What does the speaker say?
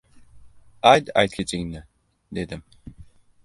— Ayt, aytgichingni? — dedim.